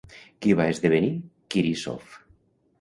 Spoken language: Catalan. Què va esdevenir Quirísof?